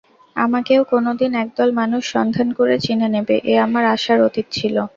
আমাকেও কোনোদিন একদল মানুষ সন্ধান করে চিনে নেবে, এ আমার আশার অতীত ছিল।